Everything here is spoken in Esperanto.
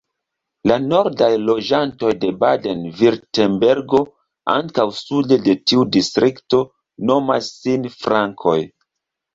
La nordaj loĝantoj de Baden-Virtembergo ankaŭ sude de tiu distrikto nomas sin Frankoj.